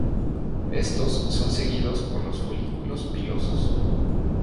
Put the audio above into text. Estos son seguidos por los folículos pilosos.